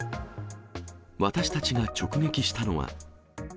私たちが直撃したのは。